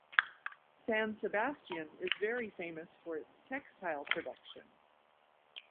San Sebastian is very famous for its textile production.